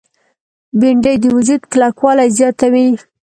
بېنډۍ د وجود کلکوالی زیاتوي